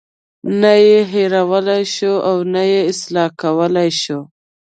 نه یې هیرولای شو او نه یې اصلاح کولی شو.